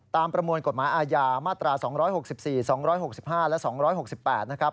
ประมวลกฎหมายอาญามาตรา๒๖๔๒๖๕และ๒๖๘นะครับ